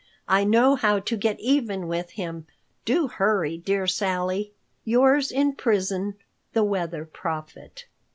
I know how to get even with him. Do hurry, dear Sally. Yours in prison, The Weather Prophet.